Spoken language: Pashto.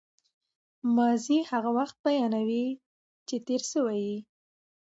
ماضي هغه وخت بیانوي، چي تېر سوی يي.